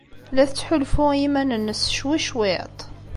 La tettḥulfu i yiman-nnes ccwi cwiṭ?